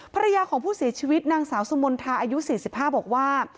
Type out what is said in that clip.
ภรรยาของผู้เสียชีวิตนางสาวสุมนทาอายุ๔๕บอกว่า